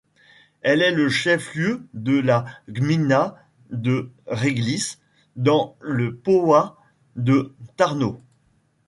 Elle est le chef-lieu de la gmina de Ryglice, dans le powiat de Tarnów.